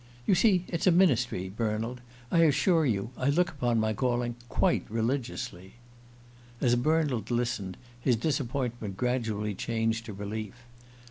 You see it's a ministry, Bernald I assure you, I look upon my calling quite religiously." As Bernald listened, his disappointment gradually changed to relief.